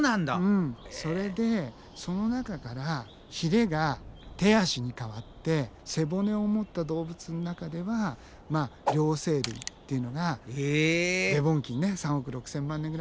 うんそれでその中からヒレが手足に変わって背骨を持った動物の中では両生類っていうのがデボン紀にね３億６，０００万年ぐらい前に。